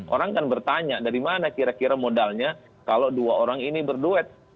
orang kan bertanya dari mana kira kira modalnya kalau dua orang ini berduet